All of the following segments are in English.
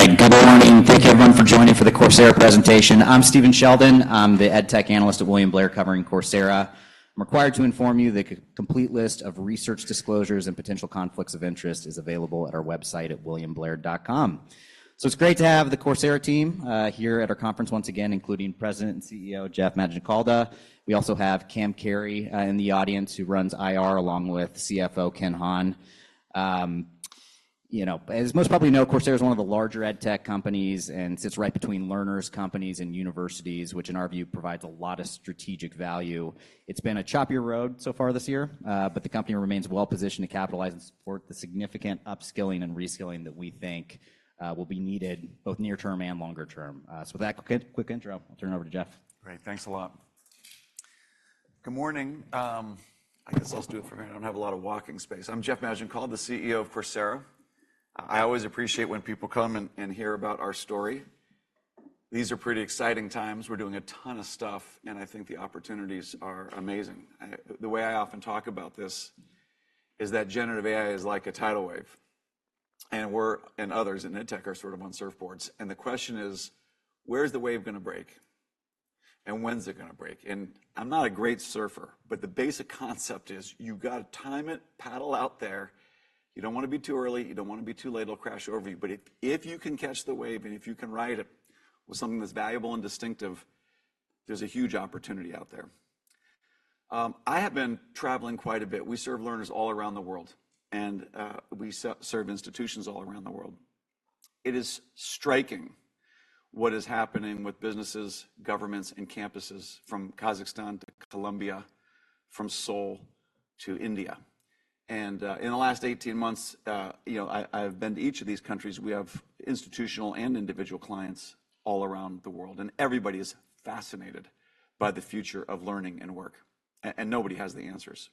All right. Good morning. Thank you everyone for joining for the Coursera presentation. I'm Stephen Sheldon. I'm the EdTech analyst at William Blair, covering Coursera. I'm required to inform you the complete list of research disclosures and potential conflicts of interest is available at our website at williamblair.com. So it's great to have the Coursera team here at our conference once again, including President and CEO, Jeff Maggioncalda. We also have Cam Carey in the audience, who runs IR, along with CFO Ken Hahn. You know, as most probably know, Coursera is one of the larger EdTech companies and sits right between learners, companies, and universities, which, in our view, provides a lot of strategic value. It's been a choppier road so far this year, but the company remains well-positioned to capitalize and support the significant upskilling and reskilling that we think, will be needed both near term and longer term. So with that quick, quick intro, I'll turn it over to Jeff. Great, thanks a lot. Good morning. I guess I'll just do it from here. I don't have a lot of walking space. I'm Jeff Maggioncalda, the CEO of Coursera. I always appreciate when people come and hear about our story. These are pretty exciting times. We're doing a ton of stuff, and I think the opportunities are amazing. The way I often talk about this is that generative AI is like a tidal wave, and we're and others in EdTech are sort of on surfboards. And the question is: where's the wave gonna break, and when's it gonna break? And I'm not a great surfer, but the basic concept is you've got to time it, paddle out there. You don't wanna be too early, you don't wanna be too late, it'll crash over you. But if you can catch the wave, and if you can ride it with something that's valuable and distinctive, there's a huge opportunity out there. I have been traveling quite a bit. We serve learners all around the world, and we serve institutions all around the world. It is striking what is happening with businesses, governments, and campuses from Kazakhstan to Colombia, from Seoul to India. And in the last 18 months, you know, I've been to each of these countries. We have institutional and individual clients all around the world, and everybody is fascinated by the future of learning and work, and nobody has the answers.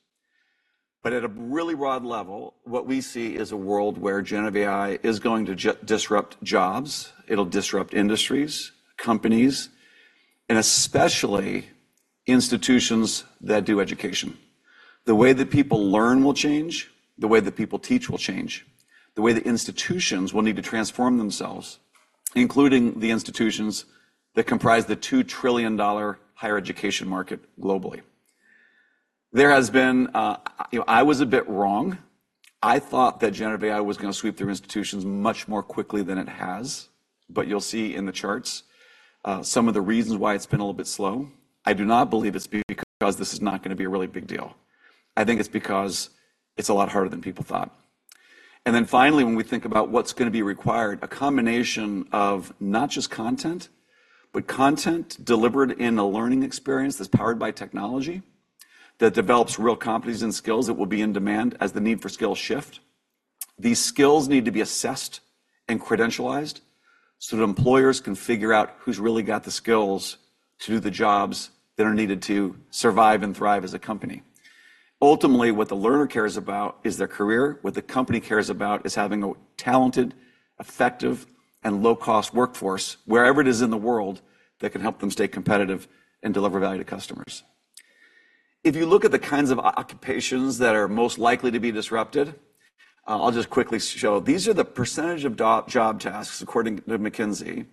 But at a really broad level, what we see is a world where generative AI is going to disrupt jobs, it'll disrupt industries, companies, and especially institutions that do education. The way that people learn will change, the way that people teach will change, the way that institutions will need to transform themselves, including the institutions that comprise the $2 trillion higher education market globally. There has been... You know, I was a bit wrong. I thought that generative AI was gonna sweep through institutions much more quickly than it has, but you'll see in the charts, some of the reasons why it's been a little bit slow. I do not believe it's because this is not gonna be a really big deal. I think it's because it's a lot harder than people thought. And then finally, when we think about what's gonna be required, a combination of not just content, but content delivered in a learning experience that's powered by technology, that develops real competencies and skills that will be in demand as the need for skills shift. These skills need to be assessed and credentialized so that employers can figure out who's really got the skills to do the jobs that are needed to survive and thrive as a company. Ultimately, what the learner cares about is their career. What the company cares about is having a talented, effective, and low-cost workforce, wherever it is in the world, that can help them stay competitive and deliver value to customers. If you look at the kinds of occupations that are most likely to be disrupted, I'll just quickly show. These are the percentage of job tasks, according to McKinsey,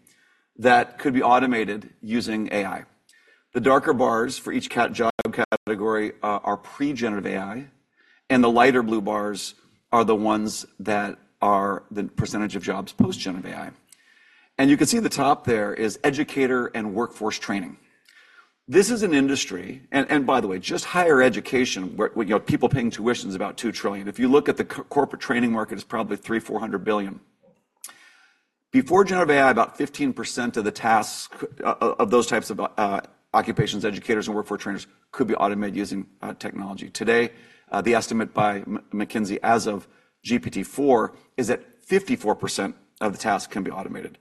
that could be automated using AI. The darker bars for each job category are pre-generative AI, and the lighter blue bars are the ones that are the percentage of jobs post-generative AI. You can see at the top there is educator and workforce training. This is an industry, and by the way, just higher education, where you know, people paying tuition is about $2 trillion. If you look at the corporate training market, it's probably $300 billion-$400 billion. Before generative AI, about 15% of the tasks of those types of occupations, educators, and workforce trainers, could be automated using technology. Today, the estimate by McKinsey, as of GPT-4, is that 54% of the tasks can be automated.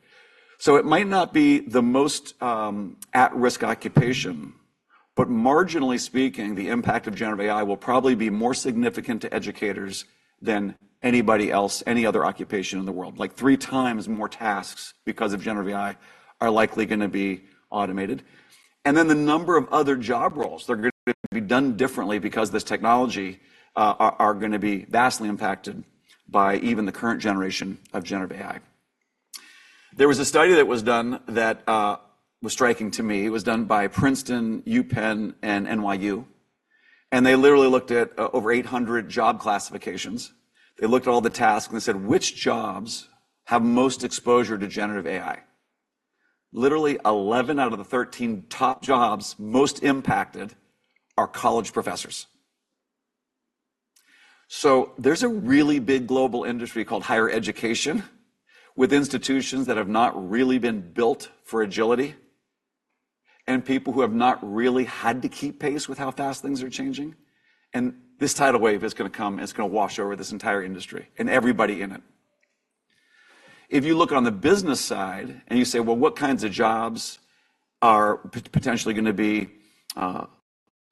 So it might not be the most at-risk occupation, but marginally speaking, the impact of generative AI will probably be more significant to educators than anybody else, any other occupation in the world. Like, 3x more tasks because of generative AI are likely gonna be automated. And then the number of other job roles that are gonna be done differently because this technology are gonna be vastly impacted by even the current generation of generative AI. There was a study that was done that was striking to me. It was done by Princeton, UPenn, and NYU, and they literally looked at over 800 job classifications. They looked at all the tasks, and they said, "Which jobs have most exposure to generative AI?" Literally, 11 out of the 13 top jobs most impacted are college professors. So there's a really big global industry called higher education, with institutions that have not really been built for agility and people who have not really had to keep pace with how fast things are changing, and this tidal wave is gonna come, and it's gonna wash over this entire industry and everybody in it. If you look on the business side and you say, "Well, what kinds of jobs are potentially gonna be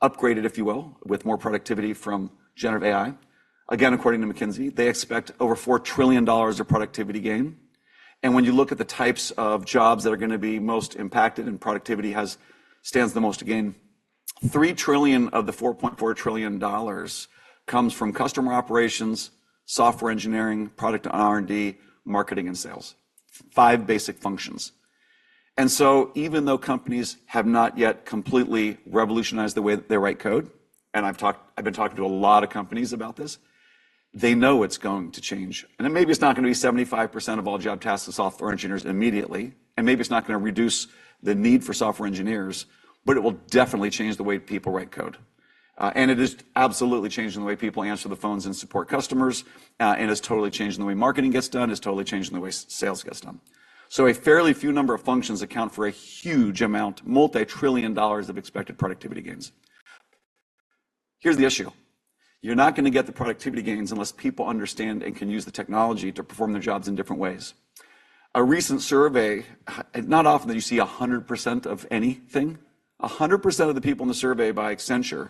upgraded, if you will, with more productivity from generative AI?" Again, according to McKinsey, they expect over $4 trillion of productivity gain. When you look at the types of jobs that are gonna be most impacted and productivity stands the most to gain. $3 trillion of the $4.4 trillion comes from customer operations, software engineering, product R&D, marketing, and sales. Five basic functions. Even though companies have not yet completely revolutionized the way they write code, and I've been talking to a lot of companies about this, they know it's going to change. Maybe it's not going to be 75% of all job tasks to software engineers immediately, and maybe it's not going to reduce the need for software engineers, but it will definitely change the way people write code. And it is absolutely changing the way people answer the phones and support customers, and it's totally changing the way marketing gets done, it's totally changing the way sales gets done. A fairly few number of functions account for a huge amount, multi-trillion dollars of expected productivity gains. Here's the issue: You're not going to get the productivity gains unless people understand and can use the technology to perform their jobs in different ways. A recent survey. It's not often that you see 100% of anything. 100% of the people in the survey by Accenture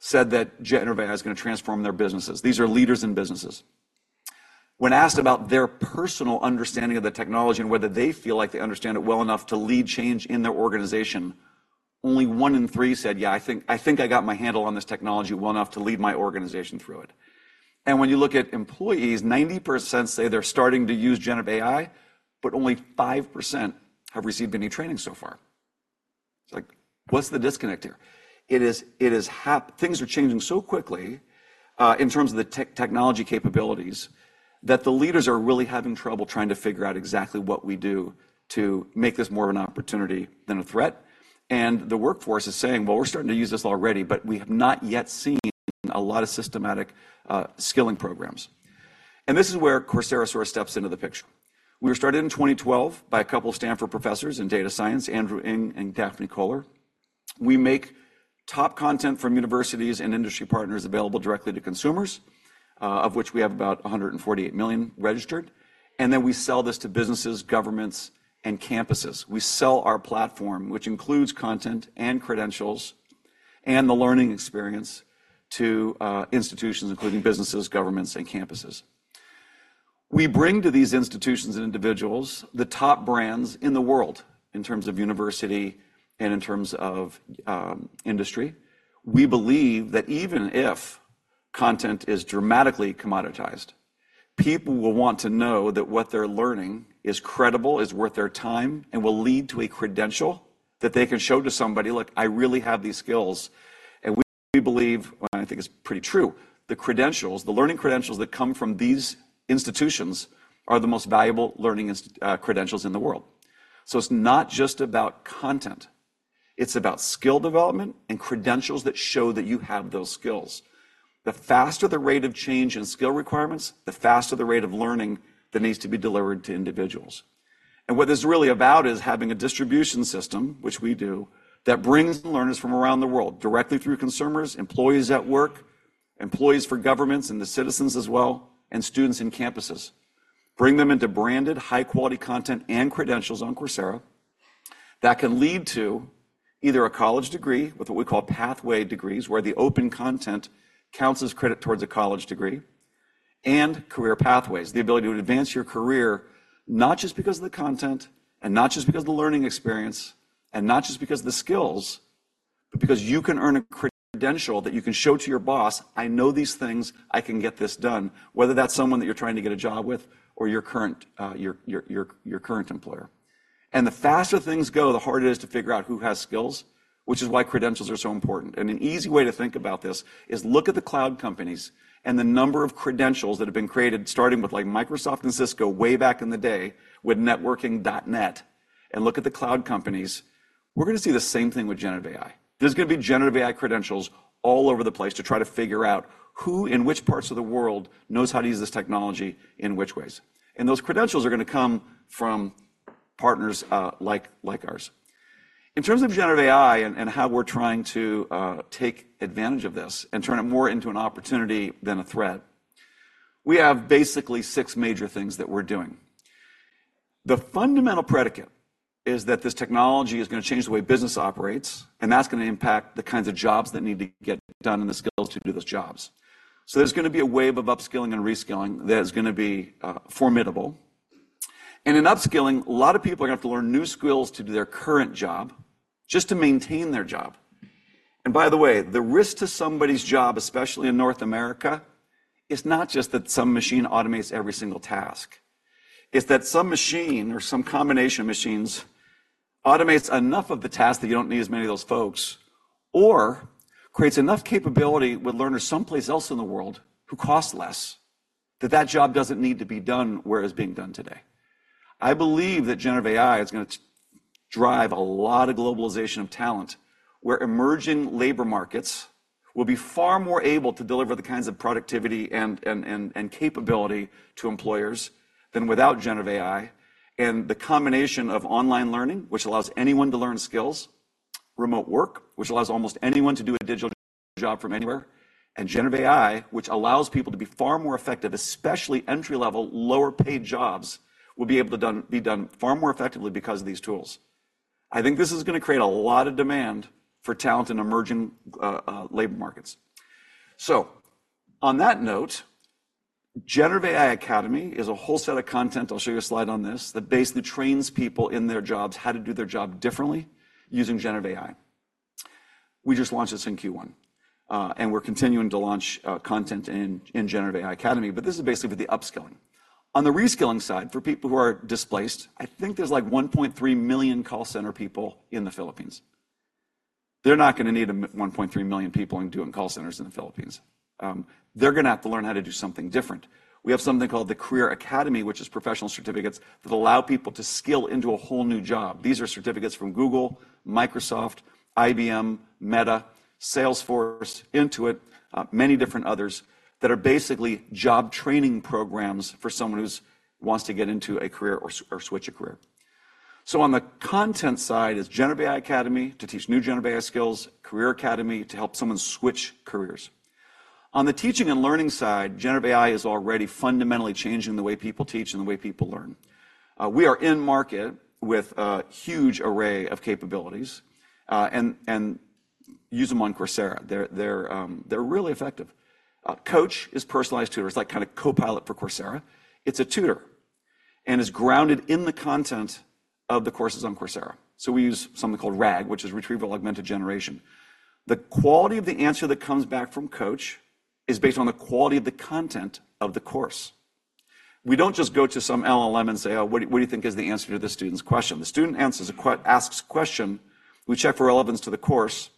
said that GenAI is going to transform their businesses. These are leaders in businesses. When asked about their personal understanding of the technology and whether they feel like they understand it well enough to lead change in their organization, only one in three said, "Yeah, I think, I think I got my handle on this technology well enough to lead my organization through it." When you look at employees, 90% say they're starting to use gen GenAI, but only 5% have received any training so far. It's like, what's the disconnect here? It is things are changing so quickly in terms of the technology capabilities that the leaders are really having trouble trying to figure out exactly what we do to make this more of an opportunity than a threat. And the workforce is saying, "Well, we're starting to use this already, but we have not yet seen a lot of systematic skilling programs." And this is where Coursera sort of steps into the picture. We were started in 2012 by a couple of Stanford professors in data science, Andrew Ng and Daphne Koller. We make top content from universities and industry partners available directly to consumers of which we have about 148 million registered, and then we sell this to businesses, governments, and campuses. We sell our platform, which includes content and credentials and the learning experience, to institutions, including businesses, governments, and campuses. We bring to these institutions and individuals the top brands in the world in terms of university and in terms of industry. We believe that even if content is dramatically commoditized, people will want to know that what they're learning is credible, is worth their time, and will lead to a credential that they can show to somebody, "Look, I really have these skills." We believe, and I think it's pretty true, the credentials, the learning credentials that come from these institutions are the most valuable learning credentials in the world. So it's not just about content, it's about skill development and credentials that show that you have those skills. The faster the rate of change in skill requirements, the faster the rate of learning that needs to be delivered to individuals. What this is really about is having a distribution system, which we do, that brings the learners from around the world, directly through consumers, employees at work, employees for governments and the citizens as well, and students in campuses. Bring them into branded, high-quality content and credentials on Coursera that can lead to either a college degree with what we call Pathway Degrees, where the open content counts as credit towards a college degree, and career pathways, the ability to advance your career, not just because of the content, and not just because of the learning experience, and not just because of the skills, but because you can earn a credential that you can show to your boss, "I know these things. I can get this done." Whether that's someone that you're trying to get a job with or your current employer. And the faster things go, the harder it is to figure out who has skills, which is why credentials are so important. And an easy way to think about this is look at the cloud companies and the number of credentials that have been created, starting with, like, Microsoft and Cisco, way back in the day with networking, .NET, and look at the cloud companies. We're going to see the same thing with generative AI. There's going to be generative AI credentials all over the place to try to figure out who, in which parts of the world, knows how to use this technology in which ways. And those credentials are going to come from partners, like, like ours. In terms of generative AI and how we're trying to take advantage of this and turn it more into an opportunity than a threat, we have basically six major things that we're doing. The fundamental predicate is that this technology is going to change the way business operates, and that's going to impact the kinds of jobs that need to get done and the skills to do those jobs. So there's going to be a wave of upskilling and reskilling that is going to be formidable. And in upskilling, a lot of people are going to have to learn new skills to do their current job, just to maintain their job. And by the way, the risk to somebody's job, especially in North America, is not just that some machine automates every single task. It's that some machine or some combination of machines automates enough of the task that you don't need as many of those folks, or creates enough capability with learners someplace else in the world who cost less, that that job doesn't need to be done where it's being done today. I believe that generative AI is going to drive a lot of globalization of talent, where emerging labor markets will be far more able to deliver the kinds of productivity and capability to employers than without generative AI. The combination of online learning, which allows anyone to learn skills, remote work, which allows almost anyone to do a digital job from anywhere, and generative AI, which allows people to be far more effective, especially entry-level, lower-paid jobs, will be able to be done far more effectively because of these tools. I think this is going to create a lot of demand for talent in emerging labor markets. So on that note, Generative AI Academy is a whole set of content. I'll show you a slide on this that basically trains people in their jobs how to do their job differently using generative AI. We just launched this in Q1, and we're continuing to launch content in Generative AI Academy, but this is basically for the upskilling. On the reskilling side, for people who are displaced, I think there's, like, 1.3 million call center people in the Philippines. They're not gonna need 1.3 million people in doing call centers in the Philippines. They're gonna have to learn how to do something different. We have something called the Career Academy, which is professional certificates that allow people to skill into a whole new job. These are certificates from Google, Microsoft, IBM, Meta, Salesforce, Intuit, many different others, that are basically job training programs for someone who wants to get into a career or switch a career. So on the content side is Generative AI Academy, to teach new generative AI skills, Career Academy to help someone switch careers. On the teaching and learning side, generative AI is already fundamentally changing the way people teach and the way people learn. We are in market with a huge array of capabilities, and use them on Coursera. They're really effective. Coach is personalized tutor. It's like kinda copilot for Coursera. It's a tutor, and is grounded in the content of the courses on Coursera. So we use something called RAG, which is Retrieval-Augmented Generation. The quality of the answer that comes back from Coach is based on the quality of the content of the course. We don't just go to some LLM and say, "Oh, what do you, what do you think is the answer to this student's question?" The student asks a question, we check for relevance to the course,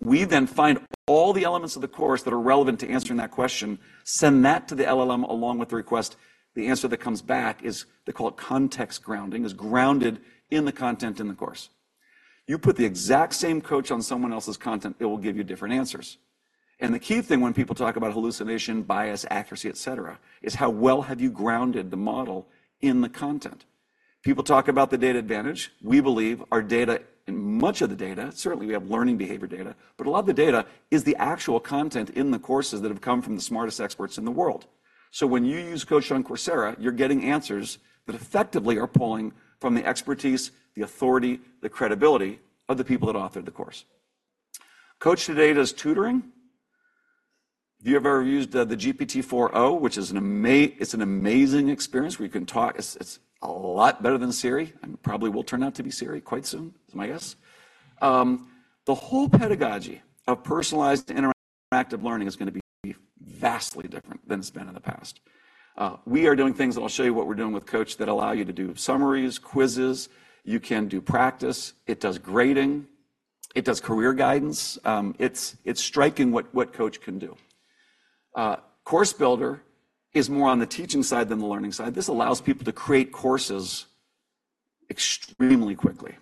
we then find all the elements of the course that are relevant to answering that question, send that to the LLM along with the request. The answer that comes back is, they call it Context Grounding, is grounded in the content in the course. You put the exact same Coach on someone else's content, it will give you different answers. And the key thing when people talk about hallucination, bias, accuracy, et cetera, is how well have you grounded the model in the content? People talk about the data advantage. We believe our data, and much of the data, certainly we have learning behavior data, but a lot of the data is the actual content in the courses that have come from the smartest experts in the world. So when you use Coach on Coursera, you're getting answers that effectively are pulling from the expertise, the authority, the credibility of the people that authored the course. Coach today does tutoring. If you have ever used the GPT-4o, which is an amazing experience, where you can talk. It's a lot better than Siri, and probably will turn out to be Siri quite soon, is my guess. The whole pedagogy of personalized interactive learning is gonna be vastly different than it's been in the past. We are doing things, and I'll show you what we're doing with Coach, that allow you to do summaries, quizzes, you can do practice, it does grading, it does career guidance. It's striking what Coach can do. Course Builder is more on the teaching side than the learning side. This allows people to create courses extremely quickly.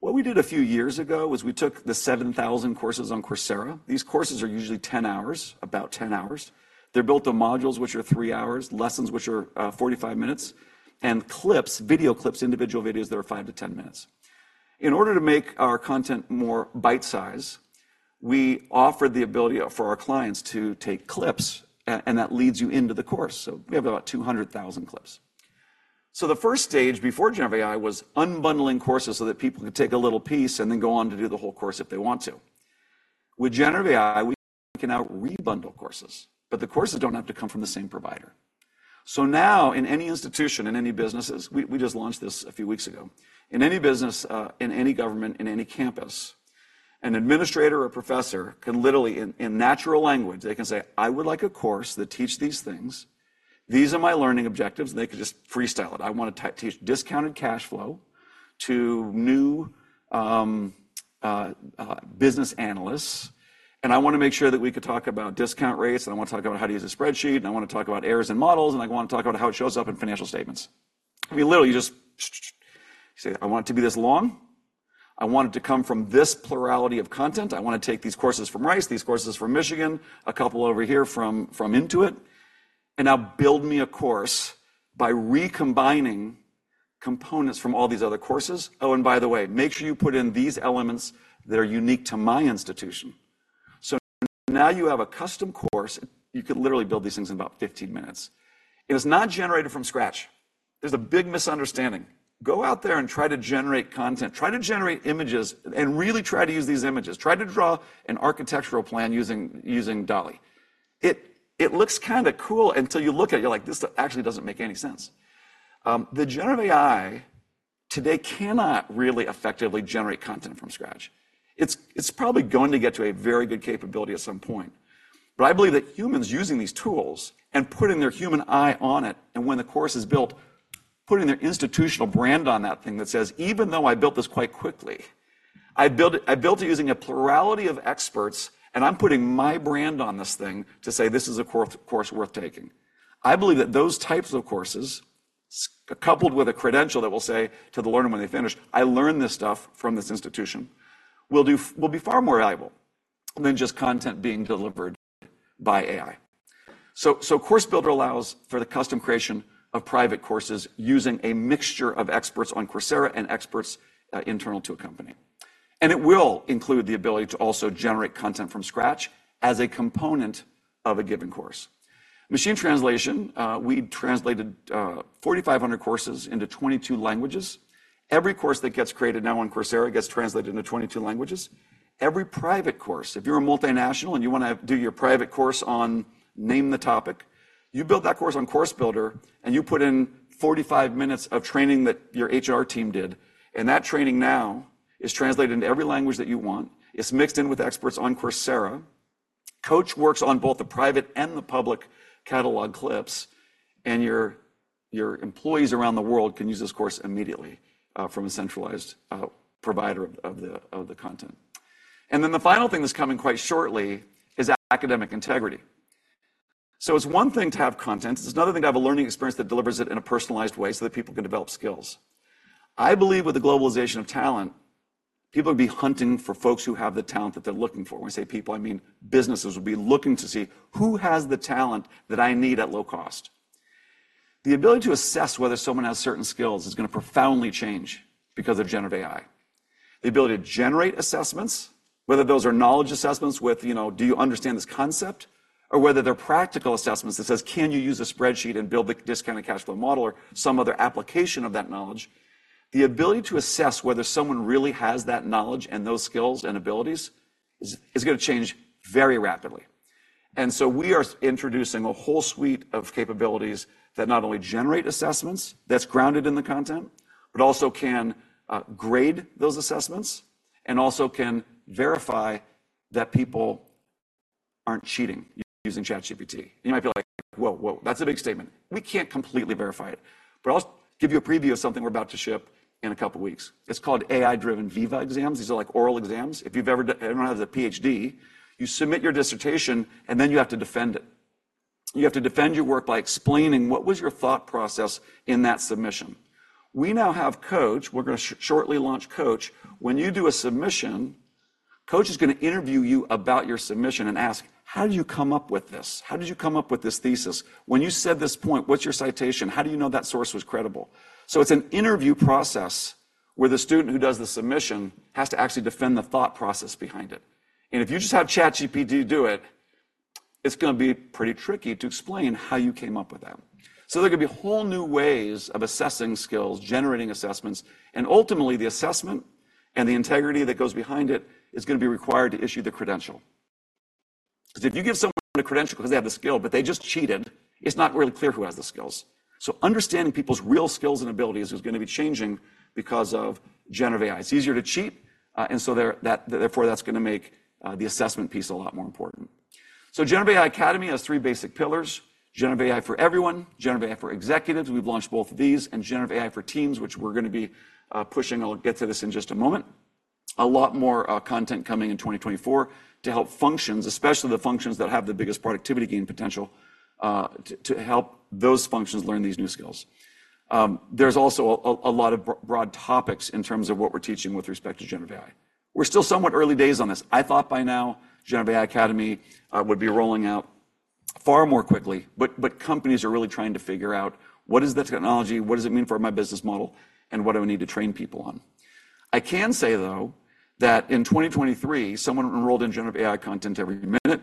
What we did a few years ago was we took the 7,000 courses on Coursera. These courses are usually 10 hours, about 10 hours. They're built on modules, which are three hours, lessons, which are 45 minutes, and clips, video clips, individual videos that are 5-10 minutes. In order to make our content more bite-size, we offered the ability for our clients to take clips, and that leads you into the course, so we have about 200,000 clips. So the first stage before generative AI was unbundling courses so that people could take a little piece and then go on to do the whole course if they want to. With generative AI, we can now rebundle courses, but the courses don't have to come from the same provider. So now, in any institution, in any businesses, we just launched this a few weeks ago, in any business, in any government, in any campus, an administrator or professor can literally, in natural language, they can say, "I would like a course that teach these things. These are my learning objectives," and they can just freestyle it. I wanna teach discounted cash flow to new, business analysts, and I wanna make sure that we could talk about discount rates, and I wanna talk about how to use a spreadsheet, and I wanna talk about errors in models, and I wanna talk about how it shows up in financial statements." I mean, literally, you just say, "I want it to be this long. I want it to come from this plurality of content. I wanna take these courses from Rice, these courses from Michigan, a couple over here from, from Intuit, and now build me a course by recombining components from all these other courses. Oh, and by the way, make sure you put in these elements that are unique to my institution." So now you have a custom course. You could literally build these things in about 15 minutes. It is not generated from scratch. There's a big misunderstanding. Go out there and try to generate content, try to generate images, and really try to use these images. Try to draw an architectural plan using DALL-E. It looks kinda cool until you look at it, you're like, "This actually doesn't make any sense." The generative AI today cannot really effectively generate content from scratch. It's probably going to get to a very good capability at some point, but I believe that humans using these tools and putting their human eye on it, and when the course is built, putting their institutional brand on that thing that says, "Even though I built this quite quickly, I built it, I built it using a plurality of experts, and I'm putting my brand on this thing to say this is a course worth taking." I believe that those types of courses, coupled with a credential that will say to the learner when they finish, "I learned this stuff from this institution," will be far more valuable than just content being delivered by AI. So, Course Builder allows for the custom creation of private courses using a mixture of experts on Coursera and experts internal to a company.... And it will include the ability to also generate content from scratch as a component of a given course. Machine translation, we translated 4,500 courses into 22 languages. Every course that gets created now on Coursera gets translated into 22 languages. Every private course, if you're a multinational and you wanna do your private course on name the topic, you build that course on Course Builder, and you put in 45 minutes of training that your HR team did, and that training now is translated into every language that you want. It's mixed in with experts on Coursera. Coach works on both the private and the public catalog clips, and your employees around the world can use this course immediately, from a centralized provider of the content. And then the final thing that's coming quite shortly is academic integrity. So it's one thing to have content, it's another thing to have a learning experience that delivers it in a personalized way so that people can develop skills. I believe with the globalization of talent, people will be hunting for folks who have the talent that they're looking for. When I say people, I mean businesses will be looking to see who has the talent that I need at low cost. The ability to assess whether someone has certain skills is gonna profoundly change because of generative AI. The ability to generate assessments, whether those are knowledge assessments with, you know, do you understand this concept? Or whether they're practical assessments that says: Can you use a spreadsheet and build the discounted cash flow model or some other application of that knowledge? The ability to assess whether someone really has that knowledge and those skills and abilities is gonna change very rapidly. And so we are introducing a whole suite of capabilities that not only generate assessments that's grounded in the content, but also can grade those assessments, and also can verify that people aren't cheating using ChatGPT. You might feel like, "Whoa, whoa, that's a big statement." We can't completely verify it, but I'll give you a preview of something we're about to ship in a couple of weeks. It's called AI-driven Viva Exams. These are like oral exams. If you've ever done... Anyone who has a PhD, you submit your dissertation, and then you have to defend it. You have to defend your work by explaining what was your thought process in that submission. We now have Coach. We're gonna shortly launch Coach. When you do a submission, Coach is gonna interview you about your submission and ask: How did you come up with this? How did you come up with this thesis? When you said this point, what's your citation? How do you know that source was credible? So it's an interview process where the student who does the submission has to actually defend the thought process behind it. And if you just have ChatGPT do it, it's gonna be pretty tricky to explain how you came up with that. So there could be whole new ways of assessing skills, generating assessments, and ultimately, the assessment and the integrity that goes behind it is gonna be required to issue the credential. Because if you give someone a credential because they have the skill, but they just cheated, it's not really clear who has the skills. So understanding people's real skills and abilities is gonna be changing because of Generative AI. It's easier to cheat, and so that's gonna make the assessment piece a lot more important. Generative AI Academy has three basic pillars: Generative AI for Everyone, Generative AI for Executives, we've launched both of these, and Generative AI for Teams, which we're gonna be pushing. I'll get to this in just a moment. A lot more content coming in 2024 to help functions, especially the functions that have the biggest productivity gain potential, to help those functions learn these new skills. There's also a lot of broad topics in terms of what we're teaching with respect to Generative AI. We're still somewhat early days on this. I thought by now, Generative AI Academy would be rolling out far more quickly, but companies are really trying to figure out: what is the technology, what does it mean for my business model, and what do I need to train people on? I can say, though, that in 2023, someone enrolled in Generative AI content every minute,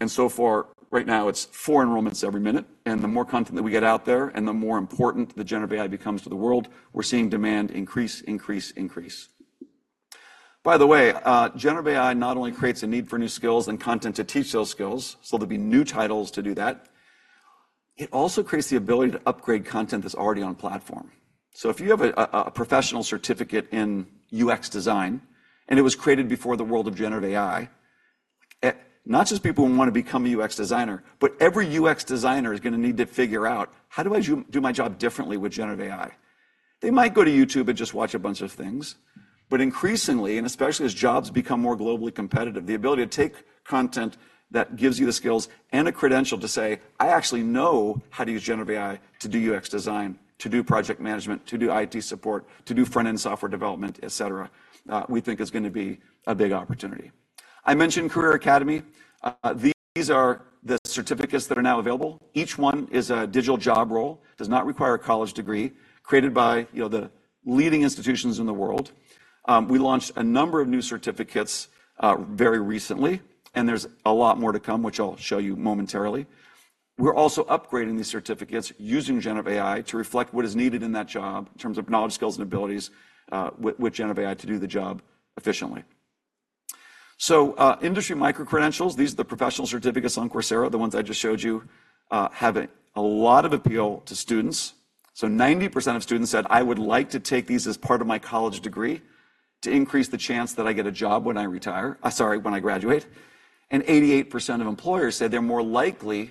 and so far, right now, it's four enrollments every minute, and the more content that we get out there, and the more important the Generative AI becomes to the world, we're seeing demand increase, increase, increase. By the way, Generative AI not only creates a need for new skills and content to teach those skills, so there'll be new titles to do that, it also creates the ability to upgrade content that's already on platform. So if you have a professional certificate in UX design, and it was created before the world of generative AI, not just people who want to become a UX designer, but every UX designer is gonna need to figure out: how do I do my job differently with generative AI? They might go to YouTube and just watch a bunch of things, but increasingly, and especially as jobs become more globally competitive, the ability to take content that gives you the skills and a credential to say, "I actually know how to use generative AI to do UX design, to do project management, to do IT support, to do front-end software development, et cetera," we think is gonna be a big opportunity. I mentioned Career Academy. These are the certificates that are now available. Each one is a digital job role, does not require a college degree, created by, you know, the leading institutions in the world. We launched a number of new certificates very recently, and there's a lot more to come, which I'll show you momentarily. We're also upgrading these certificates using Generative AI to reflect what is needed in that job in terms of knowledge, skills, and abilities with Generative AI to do the job efficiently. So, industry microcredentials, these are the professional certificates on Coursera, the ones I just showed you, have a lot of appeal to students. So 90% of students said: "I would like to take these as part of my college degree to increase the chance that I get a job when I retire... when I graduate." And 88% of employers said they're more likely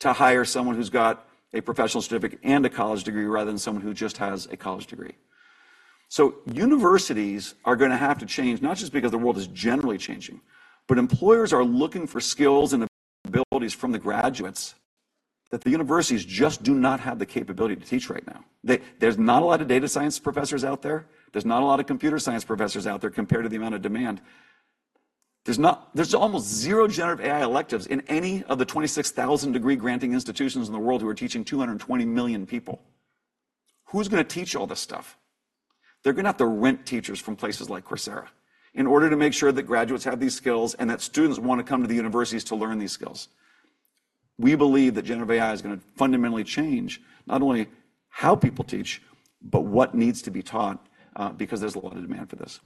to hire someone who's got a professional certificate and a college degree, rather than someone who just has a college degree. So universities are gonna have to change, not just because the world is generally changing, but employers are looking for skills and abilities from the graduates that the universities just do not have the capability to teach right now. There's not a lot of data science professors out there. There's not a lot of computer science professors out there compared to the amount of demand. There's almost zero generative AI electives in any of the 26,000 degree-granting institutions in the world who are teaching 220 million people.... Who's gonna teach all this stuff? They're gonna have to rent teachers from places like Coursera in order to make sure that graduates have these skills and that students want to come to the universities to learn these skills. We believe that generative AI is gonna fundamentally change not only how people teach, but what needs to be taught, because there's a lot of demand for this.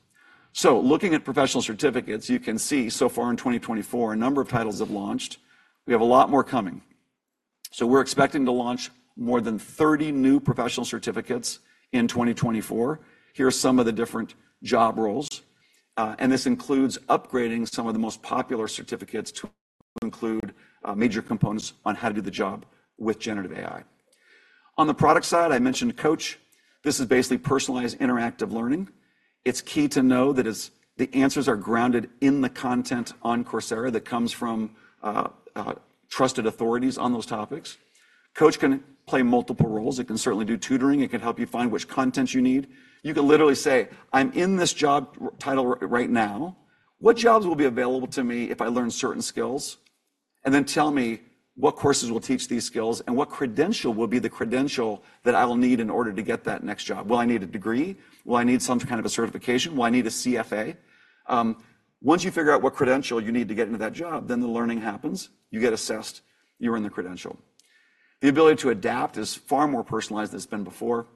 So looking at professional certificates, you can see so far in 2024, a number of titles have launched. We have a lot more coming. So we're expecting to launch more than 30 new professional certificates in 2024. Here are some of the different job roles, and this includes upgrading some of the most popular certificates to include, major components on how to do the job with generative AI. On the product side, I mentioned Coach. This is basically personalized interactive learning. It's key to know that it's the answers are grounded in the content on Coursera that comes from trusted authorities on those topics. Coach can play multiple roles. It can certainly do tutoring. It can help you find which content you need. You can literally say, "I'm in this job title right now. What jobs will be available to me if I learn certain skills? And then tell me what courses will teach these skills, and what credential will be the credential that I will need in order to get that next job. Will I need a degree? Will I need some kind of a certification? Will I need a CFA?" Once you figure out what credential you need to get into that job, then the learning happens. You get assessed, you earn the credential. The ability to adapt is far more personalized than it's been before,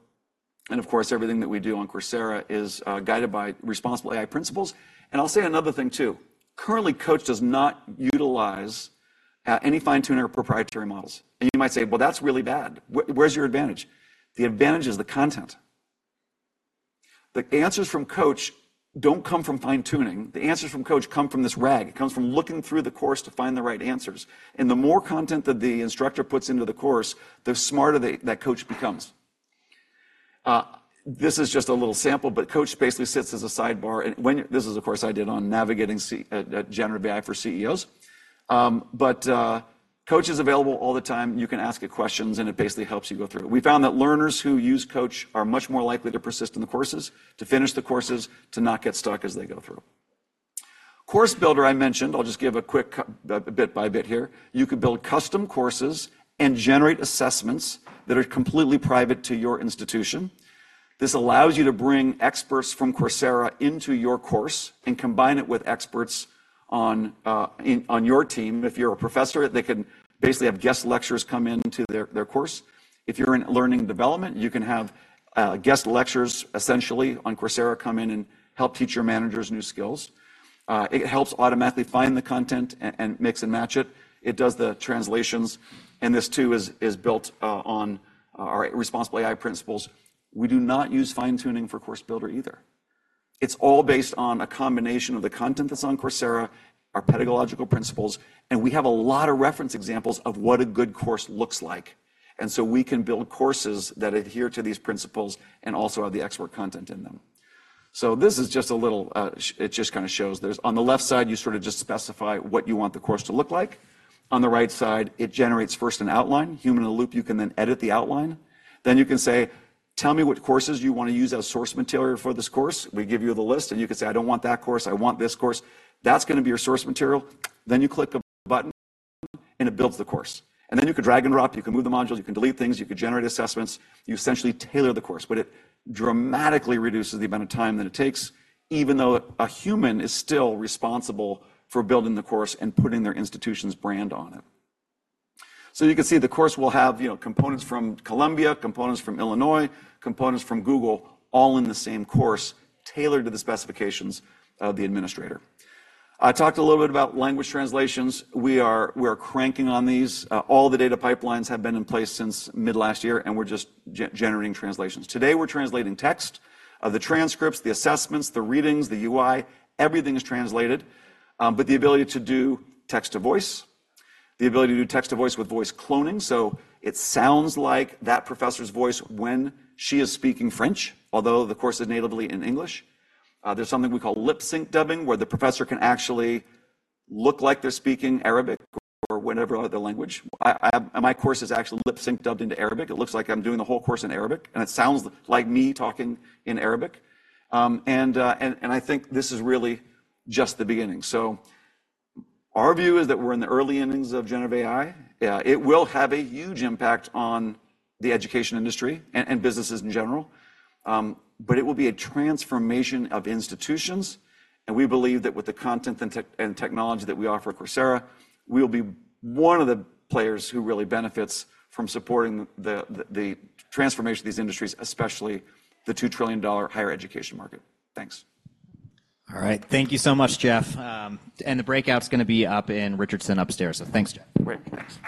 and of course, everything that we do on Coursera is guided by responsible AI principles. I'll say another thing, too. Currently, Coach does not utilize any fine-tuned proprietary models. You might say, "Well, that's really bad. Where's your advantage?" The advantage is the content. The answers from Coach don't come from fine-tuning. The answers from Coach come from this RAG. It comes from looking through the course to find the right answers, and the more content that the instructor puts into the course, the smarter that coach becomes. This is just a little sample, but Coach basically sits as a sidebar, and when this is a course I did on navigating, see, generative AI for CEOs. But Coach is available all the time. You can ask it questions, and it basically helps you go through. We found that learners who use Coach are much more likely to persist in the courses, to finish the courses, to not get stuck as they go through. Course Builder, I mentioned. I'll just give a quick, bit by bit here. You could build custom courses and generate assessments that are completely private to your institution. This allows you to bring experts from Coursera into your course and combine it with experts on, in, on your team. If you're a professor, they can basically have guest lecturers come into their course. If you're in learning development, you can have guest lecturers essentially on Coursera come in and help teach your managers new skills. It helps automatically find the content and mix and match it. It does the translations, and this, too, is built on our responsible AI principles. We do not use fine-tuning for Course Builder either. It's all based on a combination of the content that's on Coursera, our pedagogical principles, and we have a lot of reference examples of what a good course looks like. And so we can build courses that adhere to these principles and also have the expert content in them. So this is just a little. It just kind of shows. There's on the left side, you sort of just specify what you want the course to look like. On the right side, it generates first an outline, human-in-the-loop, you can then edit the outline. Then you can say, "Tell me what courses you want to use as source material for this course." We give you the list, and you can say, "I don't want that course. I want this course." That's gonna be your source material. Then you click a button, and it builds the course. And then you can drag and drop, you can move the modules, you can delete things, you can generate assessments, you essentially tailor the course, but it dramatically reduces the amount of time that it takes, even though a human is still responsible for building the course and putting their institution's brand on it. So you can see the course will have, you know, components from Columbia, components from Illinois, components from Google, all in the same course, tailored to the specifications of the administrator. I talked a little bit about language translations. We are cranking on these. All the data pipelines have been in place since mid-last year, and we're just generating translations. Today, we're translating text, the transcripts, the assessments, the readings, the UI, everything is translated. But the ability to do text-to-voice, the ability to do text-to-voice with voice cloning, so it sounds like that professor's voice when she is speaking French, although the course is natively in English. There's something we call lip sync dubbing, where the professor can actually look like they're speaking Arabic or whatever other language. I, my course is actually lip sync dubbed into Arabic. It looks like I'm doing the whole course in Arabic, and it sounds like me talking in Arabic. And I think this is really just the beginning. So our view is that we're in the early innings of Generative AI. Yeah, it will have a huge impact on the education industry and businesses in general, but it will be a transformation of institutions, and we believe that with the content and technology that we offer at Coursera, we'll be one of the players who really benefits from supporting the transformation of these industries, especially the $2 trillion higher education market. Thanks. All right. Thank you so much, Jeff. The breakout's gonna be up in Richardson upstairs. Thanks, Jeff. Great. Thanks.